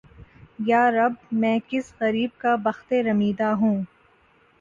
یارب! میں کس غریب کا بختِ رمیدہ ہوں!